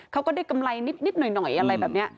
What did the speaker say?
เขาก็ได้กำไรนิดหน่อยอะไรแบบนี้